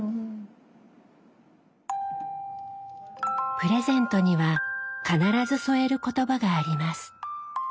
プレゼントには必ず添える言葉があります。